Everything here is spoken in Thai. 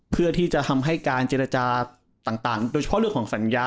เพื่อที่จะทำให้การเจรจาต่างโดยเฉพาะเรื่องของสัญญา